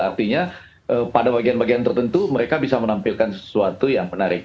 artinya pada bagian bagian tertentu mereka bisa menampilkan sesuatu yang menarik